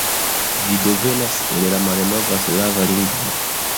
Ĝi devenas el la malnova slava lingvo.